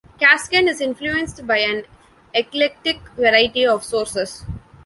Casken is influenced by an eclectic variety of sources.